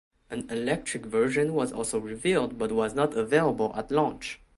An electric version was also revealed but was not available at launch.